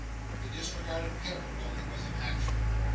The disregarded parrot only was in action.